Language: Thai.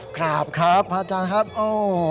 ครับครับพระอาจารย์ครับโอ้